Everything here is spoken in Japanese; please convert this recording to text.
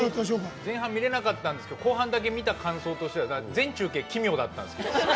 前半見れなかったんですけど後半だけ見た感想としては全中継奇妙だったんですけど。